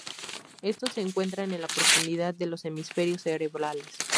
Estos se encuentran en la profundidad de los hemisferios cerebrales.